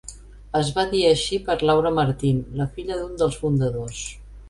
Es va dir així per Laura Martin, la filla d'un dels fundadors.